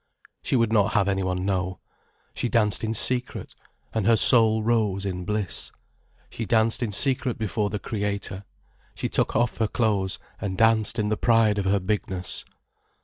She would not have had anyone know. She danced in secret, and her soul rose in bliss. She danced in secret before the Creator, she took off her clothes and danced in the pride of her bigness.